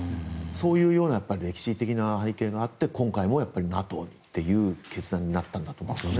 そういう歴史的な背景があって今回もＮＡＴＯにという決断になったと思います。